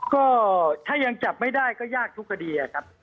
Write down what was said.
ก็ถ้ายังจับไม่ได้ก็ยากทุกคดีครับ